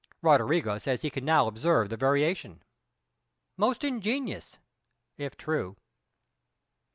Roderigo says he can now observe the variation. Most ingenious (if true).